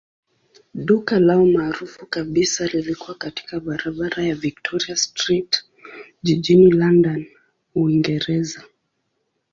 Duka lao maarufu kabisa lilikuwa katika barabara ya Victoria Street jijini London, Uingereza.